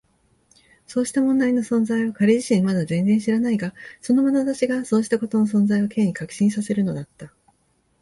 そうした問題の存在を彼自身はまだ全然知らないが、そのまなざしがそうしたことの存在を Ｋ に確信させるのだった。